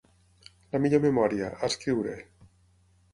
La millor memòria: escriure.